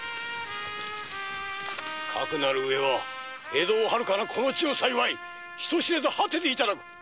かくなる上は江戸をはるかなこの地を幸い人知れず果てて頂こう。